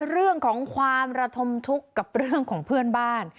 เรื่องของความระทมทุกข์กับเรื่องของเพื่อนบ้าน